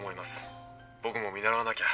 僕も見習わなきゃ。